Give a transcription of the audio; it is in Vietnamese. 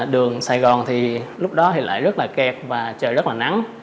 đường sài gòn thì lúc đó thì lại rất là kẹt và trời rất là nắng